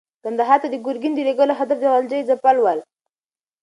کندهار ته د ګورګین د لېږلو هدف د غلجیو ځپل ول.